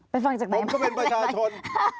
เป็นฟังจากไหนมากผมก็เป็นประชาชน